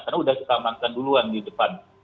karena sudah kita amankan duluan di depan